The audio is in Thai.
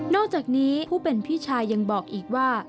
อกจากนี้ผู้เป็นพี่ชายยังบอกอีกว่า